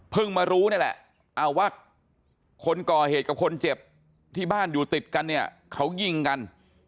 มารู้นี่แหละว่าคนก่อเหตุกับคนเจ็บที่บ้านอยู่ติดกันเนี่ยเขายิงกัน